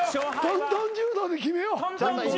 トントン柔道で決めよう。